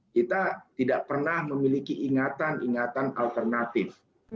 kita tidak pernah memiliki ingatan ingatan alternatif